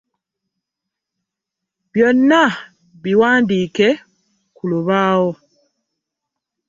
Byonna biwandiike ku lubaawo.